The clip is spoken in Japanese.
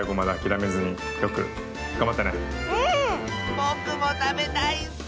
ぼくもたべたいッスよ！